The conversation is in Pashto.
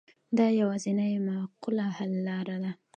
دا یوازینۍ معقوله حل لاره ده.